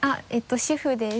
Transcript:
主婦です。